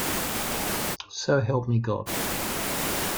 So help me God.